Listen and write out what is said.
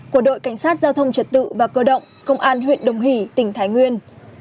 của đội cảnh sát giao thông trật tự và cơ động công an huyện đồng hỷ tỉnh thái nguyên